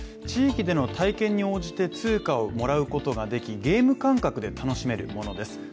地域での体験に応じて通貨をもらうことができゲーム感覚で楽しめるものです。